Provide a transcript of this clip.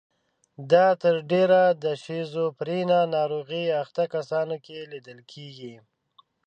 دا تر ډېره د شیزوفرنیا ناروغۍ اخته کسانو کې لیدل کیږي.